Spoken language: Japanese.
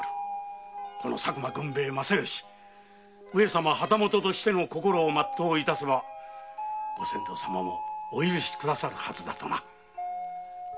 この佐久間軍兵衛「上様の旗本」としての心を全ういたせばご先祖様もお許し下さるはずだと。